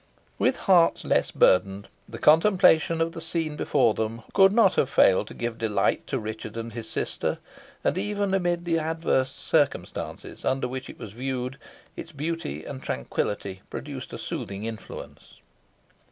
With hearts less burthened, the contemplation of the scene before them could not have failed to give delight to Richard and his sister, and, even amid the adverse circumstances under which it was viewed, its beauty and tranquillity produced a soothing influence.